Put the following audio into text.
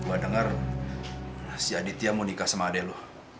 gue dengar si aditya mau nikah sama adik lu